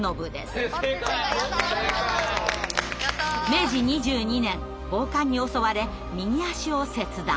明治２２年暴漢に襲われ右足を切断。